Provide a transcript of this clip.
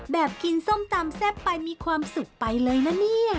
แบบกินส้มตำแทบไปก็คือความสุขไปเลยนะ